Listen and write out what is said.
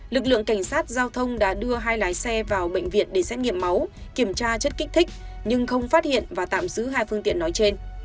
lực lượng cảnh sát giao thông đã đưa hai lái xe vào bệnh viện để xét nghiệm máu kiểm tra chất kích thích nhưng không phát hiện và tạm giữ hai phương tiện nói trên